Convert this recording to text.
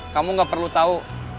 kamu gak perlu tau